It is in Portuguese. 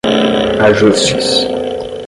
ajustes